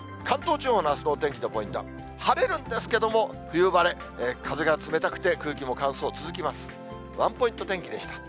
関東地方のあすのお天気のポイントは、晴れるんですけども冬晴れ、風が冷たくて、空気も乾燥続きます。